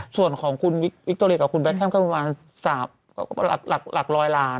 ส่วนของคุณวิคโตเรียกับคุณแท็มก็ประมาณหลักร้อยล้าน